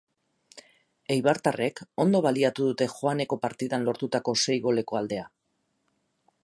Eibartarrek ondo baliatu dute joaneko partidan lortutako sei goleko aldea.